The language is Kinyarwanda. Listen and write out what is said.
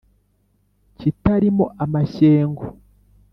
kitali mo amashyengo